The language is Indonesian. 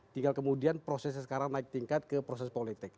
tinggal kemudian prosesnya sekarang naik tingkat ke proses politik